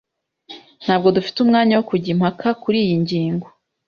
Ntabwo dufite umwanya wo kujya impaka kuriyi ngingo.